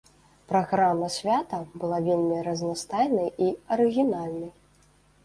Праграма свята была вельмі разнастайнай і арыгінальнай.